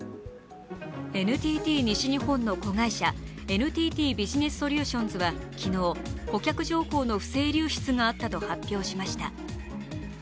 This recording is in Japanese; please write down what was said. ＮＴＴ西日本の子会社、ＮＴＴビジネスソリューションズは昨日顧客情報の不正流出があったと発表しました。